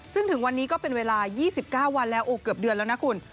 ซึ่งถึงวันนี้ก็เป็นเวลา๒๙วันแล้วโอ้เกือบเดือนแล้วนะคุณ